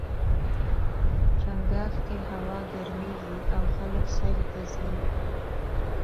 چنګاښ کې هوا ګرميږي او خلک سیل ته ځي.